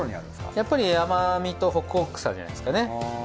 やっぱり甘みとホクホクさじゃないですかね。